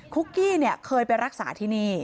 ฮุกกี้เนี่ยเคยไปรักษาที่นี่